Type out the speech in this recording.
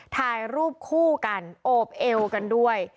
ถ่ายรูปคู่กันโอบเอวกันด้วย